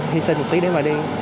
hy sinh một tí để mà đi